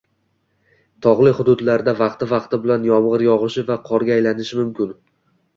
Togʻli hududlarda vaqti-vaqti bilan yomgʻir yogʻishi va qorga aylanishi mumkin.